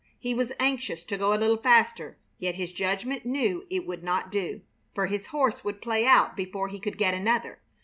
He was anxious to go a little faster, yet his judgment knew it would not do, for his horse would play out before he could get another.